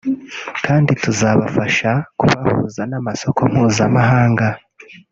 kandi tuzabafasha kubahuza n’amasoko mpuzamahanga